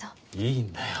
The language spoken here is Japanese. いいんだよ。